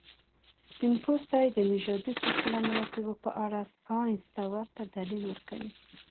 سپین پوستي د نژادي سلسله مراتبو په اړه ساینس ته ورته دلیل ورکوي.